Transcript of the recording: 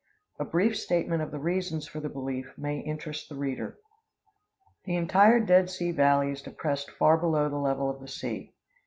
A brief statement of the reasons for the belief may interest the reader. The entire Dead Sea valley is depressed far below the level of the sea.